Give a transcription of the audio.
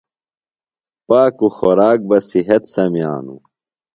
پاکُوۡ خوراک بہ صِحت سمِیانوۡ۔